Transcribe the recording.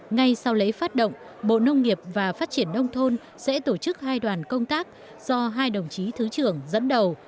ngay sau lễ phát động bộ nông nghiệp và phát triển nông thôn sẽ tổ chức hai đoàn công tác do hai đồng chí thứ trưởng dẫn đầu